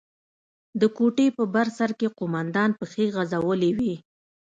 د کوټې په بر سر کښې قومندان پښې غځولې وې.